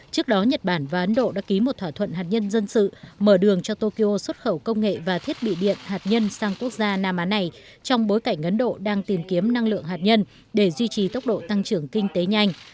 trước đó nhật bản và ấn độ đã ký một thỏa thuận hạt nhân dân sự mở đường cho tokyo xuất khẩu công nghệ và thiết bị điện hạt nhân sang quốc gia nam á này trong bối cảnh ấn độ đang tìm kiếm năng lượng hạt nhân để duy trì tốc độ tăng trưởng kinh tế nhanh